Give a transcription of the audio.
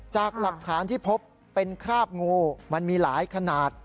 จากหลักฐานที่พบเป็นคราบงูมันมีหลายขนาด